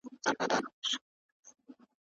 ټولني ته د خدمت کولو لاري چاري کومي دي؟